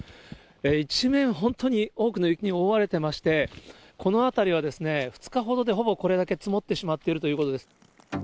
一面、本当に多くの雪に覆われてまして、この辺りはですね、２日ほどで、ほぼこれだけ積もってしまっているということです。